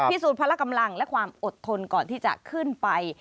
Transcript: สูจนพละกำลังและความอดทนก่อนที่จะขึ้นไป